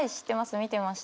見てました。